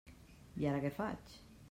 I ara què faig?